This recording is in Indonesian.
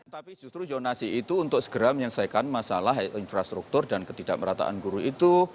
tapi justru jonasi itu untuk segera menyelesaikan masalah infrastruktur dan ketidakmerataan guru itu